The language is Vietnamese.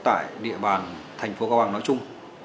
tại địa bàn thành phố cao bằng nói chung